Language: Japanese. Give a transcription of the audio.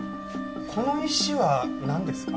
この石はなんですか？